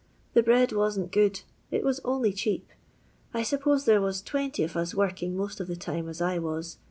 The bread wasn't good; it was only cheap. I suppose there was 20 of us working most of the times as I was.